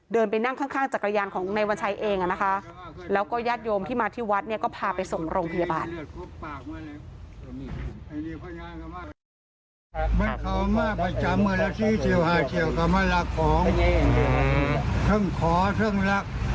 ไปนั่งข้างจักรยานของในวันชัยเองนะคะแล้วก็ญาติโยมที่มาที่วัดเนี่ยก็พาไปส่งโรงพยาบาล